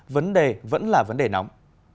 vấn đề vẫn là vấn đề nóng